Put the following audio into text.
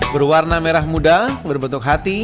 berwarna merah muda berbentuk hati